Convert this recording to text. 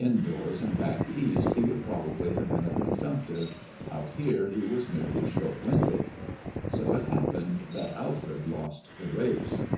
Indoors and back East he would probably have been a consumptive; out here, he was merely short winded. So it happened that Alfred lost the race.